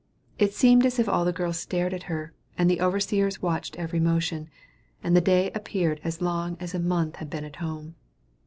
It seemed as if the girls all stared at her, and the overseers watched every motion, and the day appeared as long as a month had been at home.